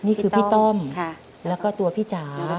นี่คือพี่ต้อมแล้วก็ตัวพี่จ๋า